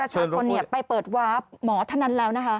แต่ประชาติคนเหนียบไปเปิดวาร์ฟหมอทะนั้นแล้วนะคะ